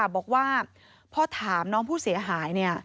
บอกว่าพอถามน้องผู้เสียหาย